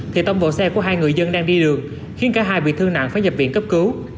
thì tông vào xe của hai người dân đang đi đường khiến cả hai bị thương nặng phải nhập viện cấp cứu